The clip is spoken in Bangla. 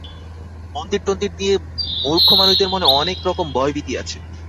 মন্দিরটন্দির নিয়ে মূর্খ মানুষদের মনে অনেক রকম ভয়-ভীতি আছে।